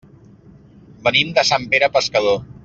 Venim de Sant Pere Pescador.